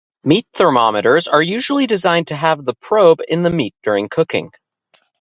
Meat thermometers are usually designed to have the probe in the meat during cooking.